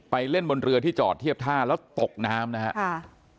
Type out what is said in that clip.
เล่นบนเรือที่จอดเทียบท่าแล้วตกน้ำนะครับ